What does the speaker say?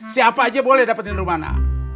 siapa aja boleh dapetin romana